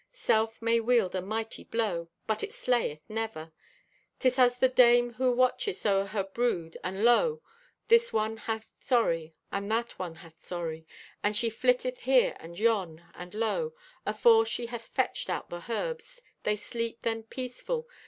Self may wield a mighty blow, but it slayeth never. "'Tis as the dame who watcheth o'er her brood, and lo, this one hath sorry, and that one hath sorry. And she flitteth here and yon, and lo, afore she hath fetched out the herbs, they sleep them peaceful.